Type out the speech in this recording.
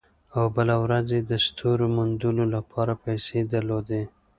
او بله ورځ یې د ستورو د موندلو لپاره پیسې درلودې